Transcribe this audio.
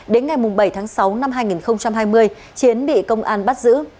đến ngày bảy tháng sáu năm hai nghìn hai mươi chiến bị công an bắt giữ